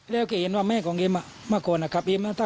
แล้วเก็บเห็นว่าแม่ของเอ็มมาก่อนครับเอ็ม